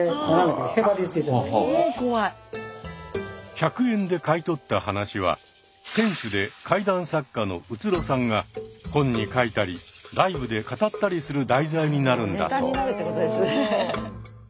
１００円で買い取った話は店主で怪談作家の宇津呂さんが本に書いたりライブで語ったりする題材になるんだそう。